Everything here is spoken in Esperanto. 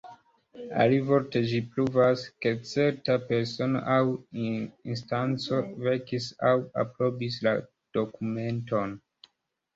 Alivorte ĝi pruvas, ke certa persono aŭ instanco verkis aŭ aprobis la dokumenton.